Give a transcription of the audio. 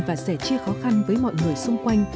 và sẻ chia khó khăn với mọi người xung quanh